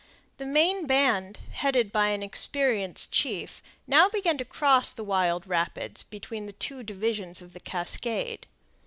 The main band, headed by an experienced chief, now began to cross the wild rapids between the two divisions of the cascade.